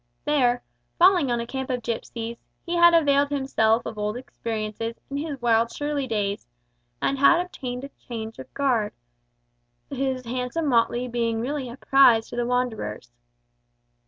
There, falling on a camp of gipsies, he had availed himself of old experiences in his wild Shirley days, and had obtained an exchange of garb, his handsome motley being really a prize to the wanderers.